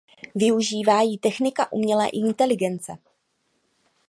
Využívá ji technika umělé inteligence.